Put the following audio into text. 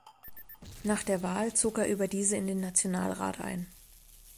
Nach der Wahl zog er über diese in den Nationalrat ein.